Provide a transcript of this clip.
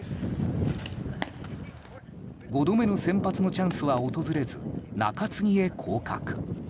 ５度目の先発のチャンスは訪れず中継ぎへ降格。